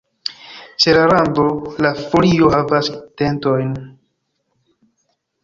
Ĉe la rando la folio havas dentojn.